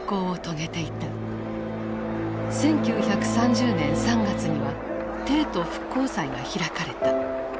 １９３０年３月には帝都復興祭が開かれた。